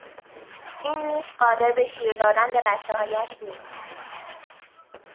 این میش قادر به شیردادن به بچههایش نیست.